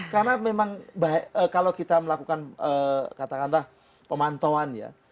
karena memang kalau kita melakukan kata kata pemantoan ya